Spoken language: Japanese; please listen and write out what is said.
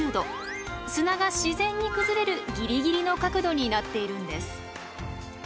砂が自然に崩れるギリギリの角度になっているんです。